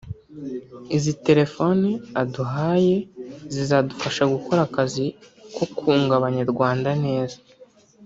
izi telefone aduhaye zizadufasha gukora akazi ko kunga Abanyarwanda neza